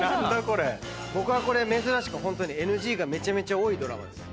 僕はこれ珍しくＮＧがめちゃめちゃ多いドラマです。